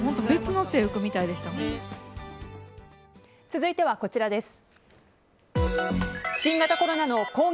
続いてはこちらです。